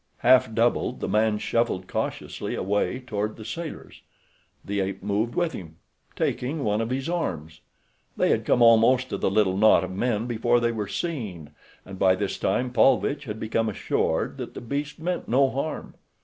Half doubled, the man shuffled cautiously away toward the sailors. The ape moved with him, taking one of his arms. They had come almost to the little knot of men before they were seen, and by this time Paulvitch had become assured that the beast meant no harm.